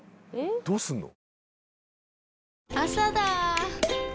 どうすんの？